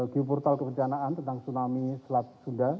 geoportal kebencanaan tentang tsunami selat sunda